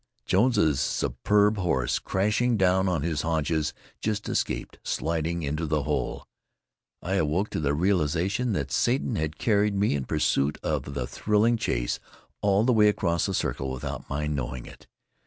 Jones's superb horse, crashing down on his haunches, just escaped sliding into the hole. I awoke to the realization that Satan had carried me, in pursuit of the thrilling chase, all the way across the circle without my knowing it.